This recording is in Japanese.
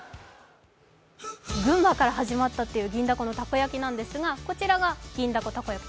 群馬から始まったという銀だこのたこ焼きなんですがこちらが銀だこたこ焼き。